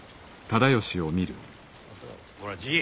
ほらじい。